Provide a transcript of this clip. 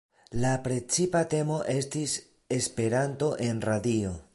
La precipa temo estis "Esperanto en radio".